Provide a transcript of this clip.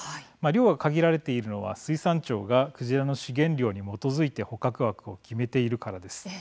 量が限られているのは水産庁がクジラの資源量に基づいて捕獲枠を決めているからです。